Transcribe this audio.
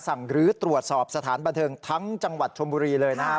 หรือตรวจสอบสถานบันเทิงทั้งจังหวัดชมบุรีเลยนะครับ